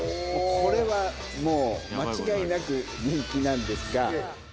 これはもう、間違いなく人気なんですが。